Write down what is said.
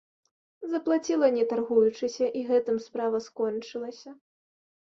Заплаціла не таргуючыся, і гэтым справа скончылася.